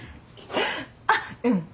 あっうん。